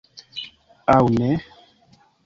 Aŭ ne?